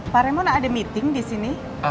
pak remona ada meeting di sini